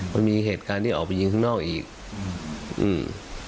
มันมีเหตุการณ์ที่ออกไปยิงข้างนอกอีกอืม